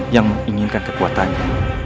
yang menginginkan kekuatannya